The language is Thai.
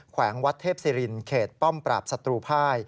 แวงวัดเทพศิรินเขตป้อมปราบศัตรูภาย